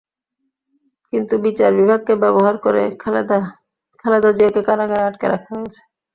কিন্তু বিচার বিভাগকে ব্যবহার করে খালেদা জিয়াকে কারাগারে আটকে রাখা হয়েছে।